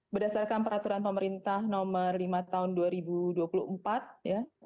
berdasarkan peraturan pemerintah nomor lima tahun dua ribu dua puluh empat ya